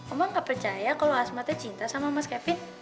oma gak percaya kalau asma cinta sama mas kevin